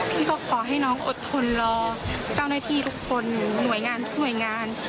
พี่ก็ขอให้น้องอดทนรอเจ้าหน้าที่ทุกคนหน่วยงานทุกหน่วยงาน